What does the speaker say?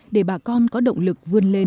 để bà con có động lực vươn lên